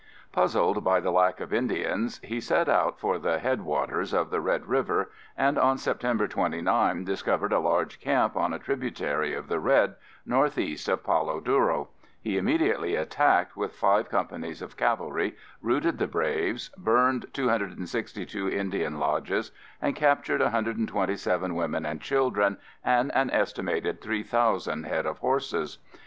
Puzzled by the lack of Indians he set out for the headwaters of the Red River and on September 29, discovered a large camp on a tributary of the Red, northeast of Palo Duro. He immediately attacked with five companies of cavalry, routed the braves, burned 262 Indian lodges, and captured 127 women and children, and an estimated 3,000 head of horses.